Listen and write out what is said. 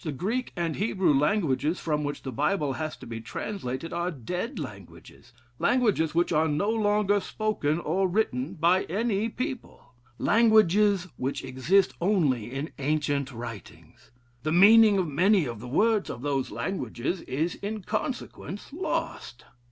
The Greek and Hebrew languages, from which the Bible has to be translated, are dead languages languages which are no longer spoken or written by any people languages which exist only in ancient writings. The meaning of many of the words of those languages is, in consequence, lost.